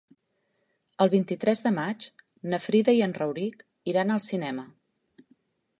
El vint-i-tres de maig na Frida i en Rauric iran al cinema.